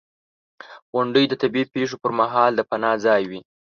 • غونډۍ د طبعي پېښو پر مهال د پناه ځای وي.